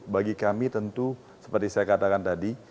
bagi kami tentu seperti saya katakan tadi